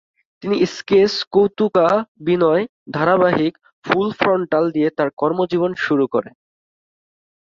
তিনি স্কেচ কৌতুকাভিনয় ধারাবাহিক "ফুল ফ্রন্টাল" দিয়ে তার কর্মজীবন শুরু করেন।